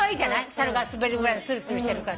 猿が滑るぐらいつるつるしてるから。